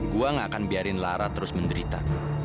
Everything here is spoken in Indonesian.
gua gak akan biarin lara terus menderita